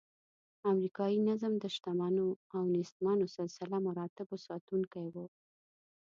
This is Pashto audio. امریکایي نظم د شتمنو او نیستمنو سلسله مراتبو ساتونکی و.